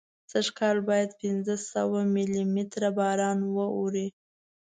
سږکال باید پینځه سوه ملي متره باران واوري.